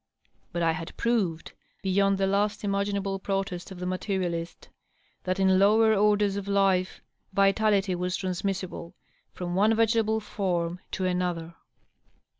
But I had proved, beyond the last imaginable protest of the materialist, that in lower orders of life vitality was transmissible from one v^table form to another.